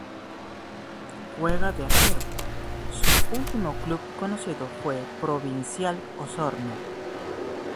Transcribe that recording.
Juega de arquero, su último club conocido fue Provincial Osorno.